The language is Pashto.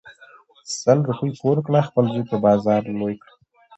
سل روپی پور کړه خپل زوی په بازار لوی کړه .